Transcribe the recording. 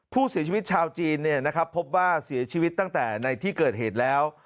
ผู้เสียชีวิตชาวจีนพบว่าเสียชีวิตตั้งแต่ในที่เกิดเหตุแล้ว